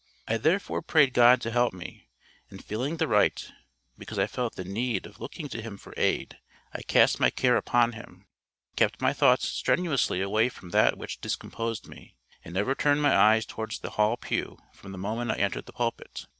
I therefore prayed God to help me; and feeling the right, because I felt the need, of looking to Him for aid, I cast my care upon Him, kept my thoughts strenuously away from that which discomposed me, and never turned my eyes towards the Hall pew from the moment I entered the pulpit.